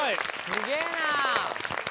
すげぇな！